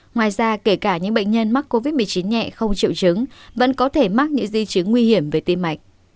ngoài ra kể cả những bệnh nhân mắc covid một mươi chín nhẹ không triệu chứng vẫn có thể mắc những di chứng nguy hiểm về tim mạch